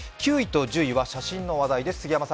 ９位と１０位は写真の話題です。